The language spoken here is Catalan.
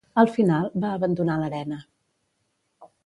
Al final, va abandonar l'arena.